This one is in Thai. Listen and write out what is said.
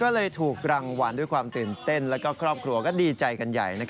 ก็เลยถูกรางวัลด้วยความตื่นเต้นแล้วก็ครอบครัวก็ดีใจกันใหญ่